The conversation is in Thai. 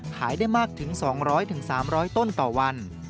ขายได้มากถึง๒๐๐๓๐๐ต้นต่อวัน